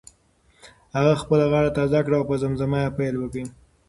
هغه خپله غاړه تازه کړه او په زمزمه یې پیل وکړ.